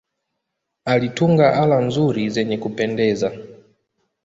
Alitunga ala nzuri zenye kupendeza.